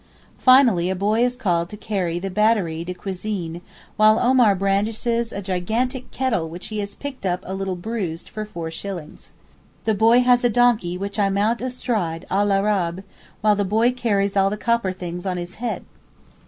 Finally a boy is called to carry the batterie de cuisine, while Omar brandishes a gigantic kettle which he has picked up a little bruised for four shillings. The boy has a donkey which I mount astride à l'Arabe, while the boy carries all the copper things on his head.